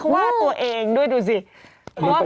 เขาว่าตัวเองด้วยดูสิเพราะว่าเขา